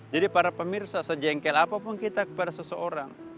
jadi para pemirsa sejengkel apapun kita kepada seseorang